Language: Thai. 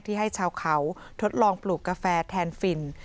ให้ชาวเขาทดลองปลูกกาแฟแทนฟิน